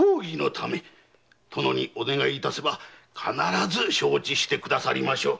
殿にお願いいたせば必ず承知してくださりましょう。